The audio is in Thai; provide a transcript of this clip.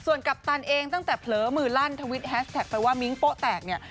ส่วนกัปตันเองตั้งแต่เผลอมือลั่นทวิตแฮสแท็กไปว่ามิ้งโป๊แตกเนี่ย